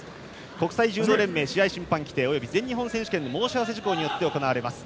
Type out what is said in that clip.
国際柔道連盟試合審判規定および全日本選手権の大会申し上げ事項によって行われます。